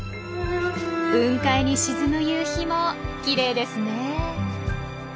雲海に沈む夕日もきれいですね！